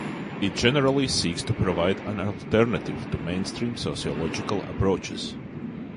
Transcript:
It generally seeks to provide an alternative to mainstream sociological approaches.